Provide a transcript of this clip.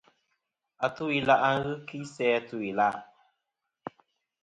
Atu-ila' ghɨ kɨ a tu isæa-la'.